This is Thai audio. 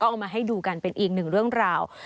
เอามาให้ดูกันเป็นอีกหนึ่งเรื่องราว